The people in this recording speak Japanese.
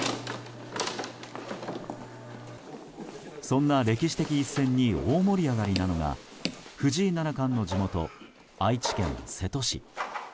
そんな歴史的一戦に大盛り上がりなのが藤井七冠の地元・愛知県瀬戸市。